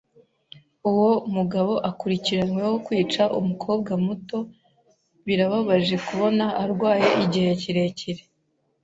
Uwo mugabo akurikiranyweho kwica umukobwa muto. Birababaje kubona arwaye igihe kirekire.